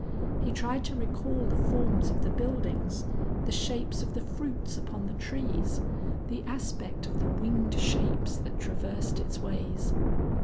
He tried to recall the forms of the buildings, the shapes of the fruits upon the trees, the aspect of the winged shapes that traversed its ways.